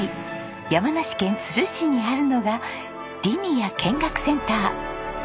山梨県都留市にあるのがリニア見学センター。